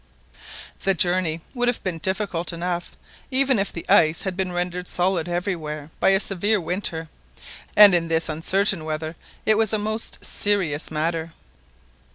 The journey would have been difficult enough, even if the ice had been rendered solid everywhere by a severe winter, and in this uncertain weather it was a most serious matter.